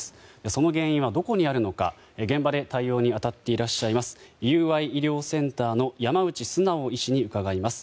その原因はどこにあるのか現場で対応に当たっていらっしゃいます友愛医療センターの山内素直医師に伺います。